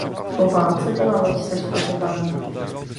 Po válce byla loď sešrotována.